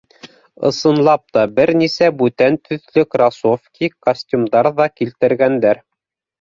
Ысынлап та, бер нисә бүтән төҫлө кроссовки, костюмдар ҙа килтергәндәр.